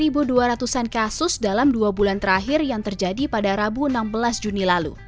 dan juga kematusan kasus dalam dua bulan terakhir yang terjadi pada rabu enam belas juni lalu